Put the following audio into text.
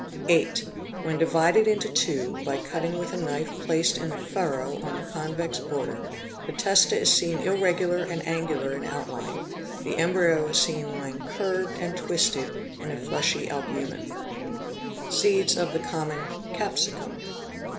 8. When divided into two, by cut 'ting with a knife placed in the fur ow ob the convex border, the testa 4 s seen irregular and angular in out 'line, the embryo is seen lying curved and twisted in a fleshy albumen. id, wide dilatation of the pupils of the Seeds of the Common Capsicum.